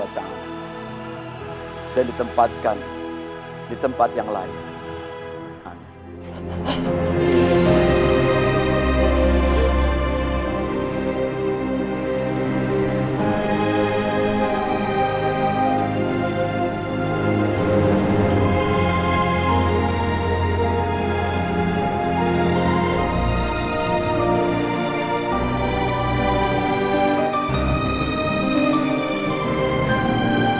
sampai jumpa di video selanjutnya